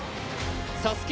ＳＡＳＵＫＥ